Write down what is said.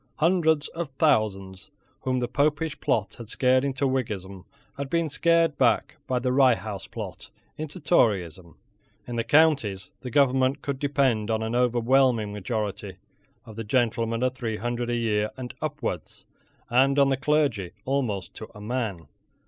Hundreds of thousands whom the Popish plot had scared into Whiggism had been scared back by the Rye House plot into Toryism. In the counties the government could depend on an overwhelming majority of the gentlemen of three hundred a year and upwards, and on the clergy almost to a man.